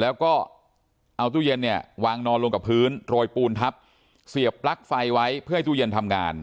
แล้วก็เอาตู้เย็นเนี่ยวางนอนลงกับพื้นโรยปูนทับเสียบปลั๊กไฟไว้เพื่อให้ตู้เย็นทำงาน